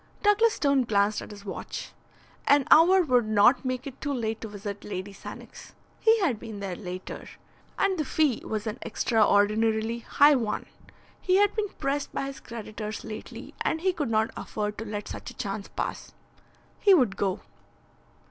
Douglas Stone glanced at his watch. An hour would not make it too late to visit Lady Sannox. He had been there later. And the fee was an extraordinarily high one. He had been pressed by his creditors lately, and he could not afford to let such a chance pass. He would go.